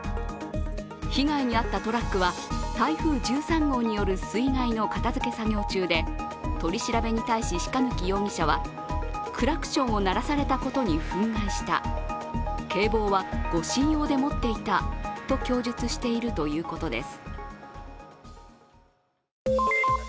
被害に遭ったトラックは、台風１３号による水害の片づけ作業中で取り調べに対し、鹿貫容疑者はクラクションを鳴らされたことに憤慨した、警棒は護身用で持っていたと供述しているということです。